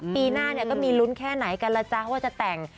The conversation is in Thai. ปีหน้าก็มีลุ้นแค่ไหนกันล่ะจ๊ะว่าจะแต่ง